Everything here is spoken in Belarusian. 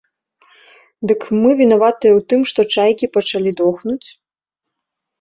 Дык мы вінаватыя і ў тым, што чайкі пачалі дохнуць?